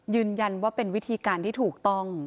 ยืนยันว่าเป็นวิธีการที่ถูกต้อง